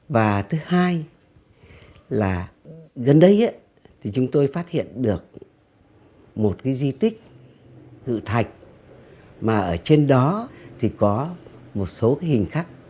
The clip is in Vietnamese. và thứ hai là gần đây chúng tôi phát hiện được một di tích cự thạch mà ở trên đó có một số hình khắc